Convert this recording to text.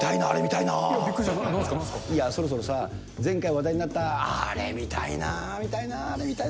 いや、そろそろさ、前回話題になった、あれ見たいなぁ、見たいな、あれ？